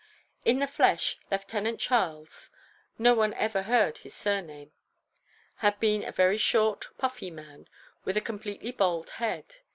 In the flesh, Lieutenant Charles—no one had ever heard his surname—had been a very short, puffy man, with a completely bald head.